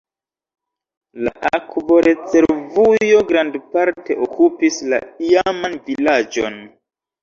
La akvorezervujo grandparte okupis la iaman vilaĝon.